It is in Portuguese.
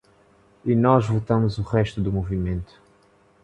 E nós votamos o resto do movimento.